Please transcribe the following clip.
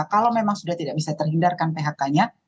kalau memang sudah tidak bisa terhindarkan phk nya